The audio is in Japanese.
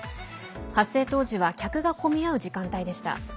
発生当時は客が混み合う時間帯でした。